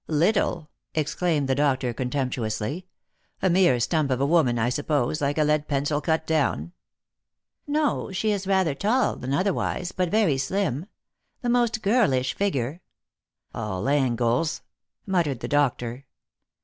" Little !" exclaimed the doctor contemptuously, " a mere stump of a woman, I suppose, like a lead pencil cut down." " No, she is rather tall than otherwise, but very slim. The most girlish figure "" All angles," muttered the doctor.